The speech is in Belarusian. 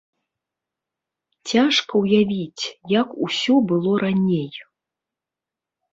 Цяжка ўявіць, як усё было раней.